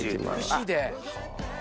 串で。